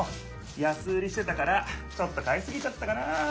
やす売りしてたからちょっと買いすぎちゃったかな。